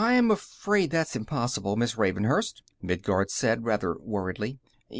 "I'm afraid that's impossible, Miss Ravenhurst," Midguard said rather worriedly.